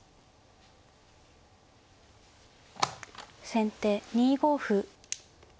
先手２五歩。